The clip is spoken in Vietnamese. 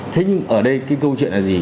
thế nhưng ở đây cái câu chuyện là gì